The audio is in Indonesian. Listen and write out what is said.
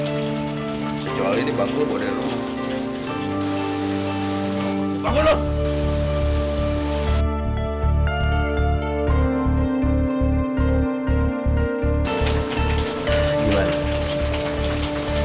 kecuali ini bangku lo bawa dari rumah lo